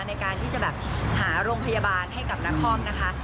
ในการที่จะหาโรงพยาบาลให้กับหน้าคร่อมนะคะ